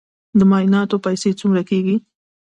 د معایناتو پیسې څومره کیږي؟